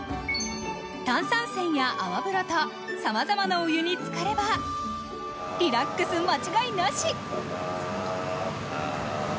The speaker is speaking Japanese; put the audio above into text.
炭酸泉や泡風呂と、さまざまなお湯につかればリラックス間違いなし。